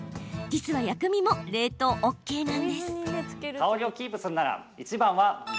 実は薬味も冷凍ＯＫなんです。